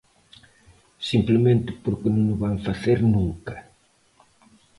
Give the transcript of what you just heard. Simplemente porque non o van facer nunca!